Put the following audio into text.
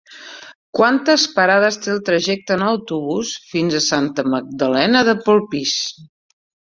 Quantes parades té el trajecte en autobús fins a Santa Magdalena de Polpís?